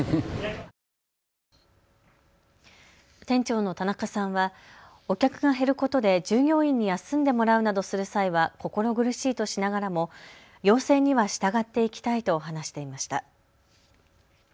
店長の田中さんはお客が減ることで従業員に休んでもらうなどする際は心苦しいとしながらも要請には従っていきたいと話していました。